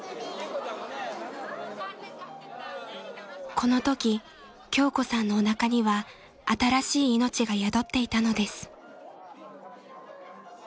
［このとき京子さんのおなかには新しい命が宿っていたのです］